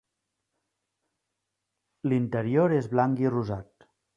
L'interior és blanc i rosat.